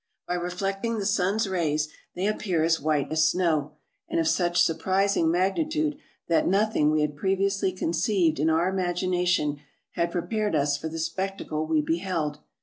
By reflecting the sun's rays, they appear as white as snow, and of such surprising magni tude, that nothing we had previously conceived in our im agination had prepared us for the spectacle we beheld.